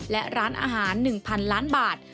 และร้านอาหาร๑๐๐๐ล้านบาท